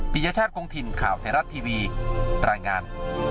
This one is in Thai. ปียชาติกงถิ่นข่าวไทยรัฐทีวีรายงาน